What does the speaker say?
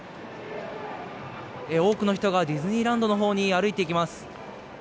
多くの人がディズニーランドのほうに歩いていきます。